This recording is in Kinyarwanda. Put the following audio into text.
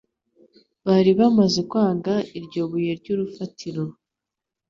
bari bamaze kwanga iryo buye ry’urufatiro.